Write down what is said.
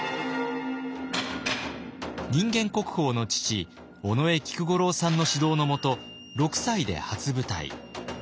人間国宝の父尾上菊五郎さんの指導のもと６歳で初舞台。